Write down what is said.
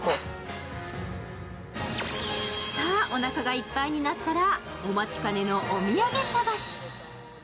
さあ、おなかがいっぱいになったらお待ちかねのお土産探し。